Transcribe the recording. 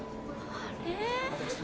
あれ？